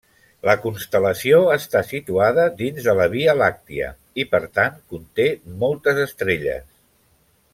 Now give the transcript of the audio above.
La constel·lació està situada dins de la Via Làctia, i per tant conté moltes estrelles.